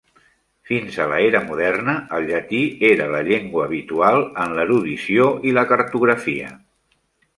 Fins a la era moderna, el llatí era la llengua habitual en l'erudició i la cartografia.